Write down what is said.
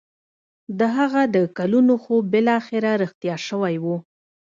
د هغه د کلونو خوب بالاخره رښتيا شوی و.